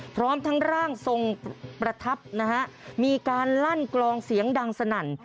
พร้อมทั้งร่างทรงประทับนะฮะมีการลั่นกลองเสียงดังสนั่น